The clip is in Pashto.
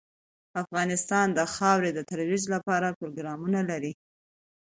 افغانستان د خاوره د ترویج لپاره پروګرامونه لري.